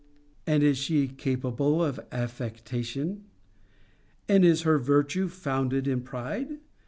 And is she capable of affectation? And is her virtue founded in pride?